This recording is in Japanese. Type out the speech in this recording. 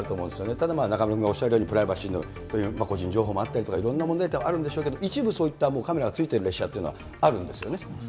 ただまあ、中丸君がおっしゃったようにプライバシーのとか個人情報の問題もあったとか、いろんな問題点、あるんでしょうけれども、一部、そういったもうカメラがついている列車というのもあるんですよね。